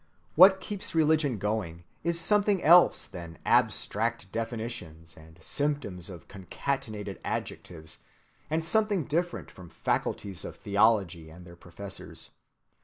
What keeps religion going is something else than abstract definitions and systems of concatenated adjectives, and something different from faculties of theology and their professors.